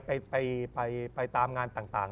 ไปตามงานต่าง